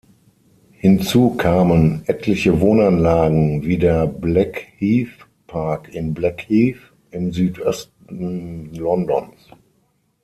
Hinzu kamen etliche Wohnanlagen wie der "Blackheath Park" in Blackheath im Südosten Londons.